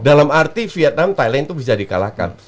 dalam arti vietnam thailand itu bisa di kalahkan